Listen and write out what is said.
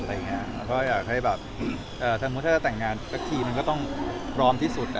เพราะว่าถ้าจะแต่งงานสักทีมันก็ต้องพร้อมที่สุด